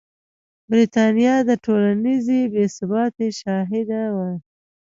برېټانیا د ټولنیزې بې ثباتۍ شاهده وه.